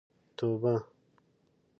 توبه.